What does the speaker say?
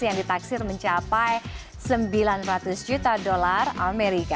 yang ditaksir mencapai sembilan ratus juta dolar amerika